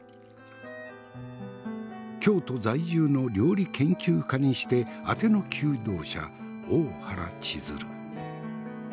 京都在住の料理研究家にしてあての求道者大原千鶴。